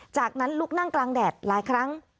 จากนั้นลุกนั่งกลางแดดหลายครั้ง